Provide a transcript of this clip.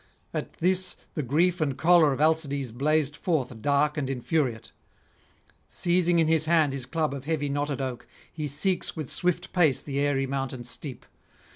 At this the grief and choler of Alcides blazed forth dark and infuriate. Seizing in his hand his club of heavy knotted oak, he seeks with swift pace the aery mountain steep.